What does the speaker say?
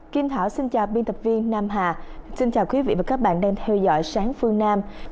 kim thảo xin chào biên tập viên nam hà xin chào quý vị và các bạn đang theo dõi sáng phương nam